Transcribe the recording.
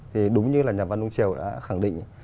thì đúng như là nhà văn nung triều đã khẳng định